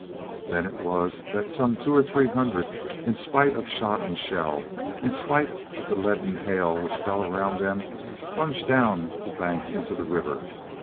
Then it was that some two or three hundred, in spite of shot and shell, in spite of the leaden hail which fell around them, plunged down the bank into the river.